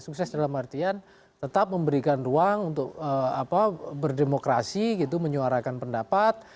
sukses dalam artian tetap memberikan ruang untuk berdemokrasi gitu menyuarakan pendapat